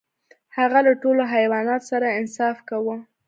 هغه له ټولو حیواناتو سره انصاف کاوه.